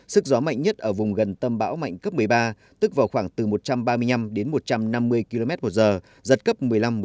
sức gió mạnh nhất ở vùng gần tâm bão mạnh cấp một mươi ba tức vào khoảng từ một trăm ba mươi năm đến một trăm năm mươi km một giờ giật cấp một mươi năm một mươi một